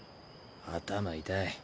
頭痛い。